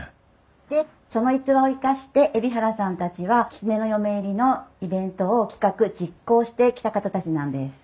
でその逸話を生かして海老原さんたちはきつねの嫁入りのイベントを企画実行してきた方たちなんです。